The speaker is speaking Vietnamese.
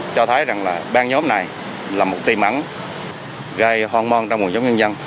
cho thấy rằng là ban nhóm này là một tìm ắn gây hoang mon trong nguồn chống nhân dân